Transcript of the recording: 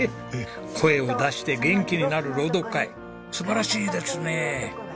声を出して元気になる朗読会素晴らしいですね。